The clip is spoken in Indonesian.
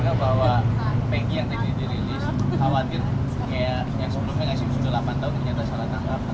tentu saja hukum keluarga bahwa pegi yang tadi dirilis